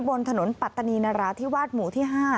บนถนนปัตตานีนราธิวาสหมู่ที่๕